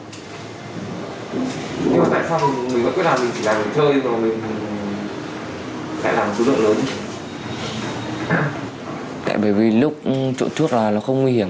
nhưng mà tại sao mình vẫn cứ làm mình chỉ làm để chơi rồi mình lại làm thuốc lượng lớn